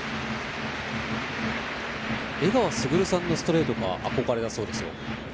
江川卓さんのストレートが憧れだそうですよ。